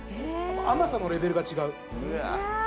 甘さのレベルが違う。